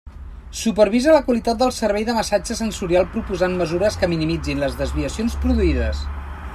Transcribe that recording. Supervisa la qualitat del servei de massatge sensorial proposant mesures que minimitzin les desviacions produïdes.